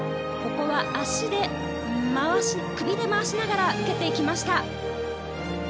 ここは首で回しながら受けていきました。